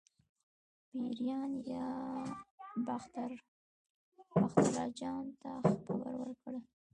پیریان باختر اجان ته خبر ورکوي.